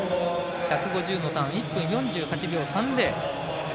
１５０のターン、１分４８秒３０。